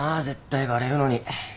絶対バレるのに。